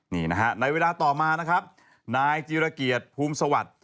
นี่นะฮะในเวลาต่อมานะครับนายจีรเกียรติภูมิสวัสดิ์